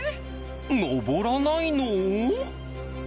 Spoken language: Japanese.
登らないの？